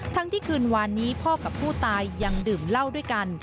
ทั้งที่คืนวานนี้พ่อกับผู้ตายยังดื่มเหล้าด้วยกัน